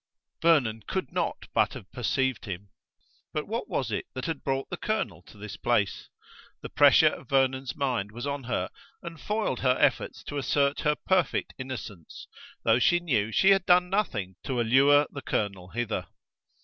Vernon could not but have perceived him! But what was it that had brought the colonel to this place? The pressure of Vernon's mind was on her and foiled her efforts to assert her perfect innocence, though she knew she had done nothing to allure the colonel hither.